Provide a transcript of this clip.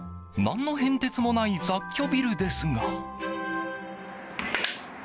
何の変哲もない雑居ビルですが。